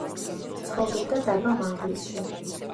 ცხოვრობდა დაბა მანგლისში.